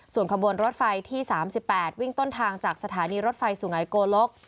ส่วนขบวนรถไฟที่๓๘วิ่งต้นทางจากสถานีรถไฟสุไงโกลก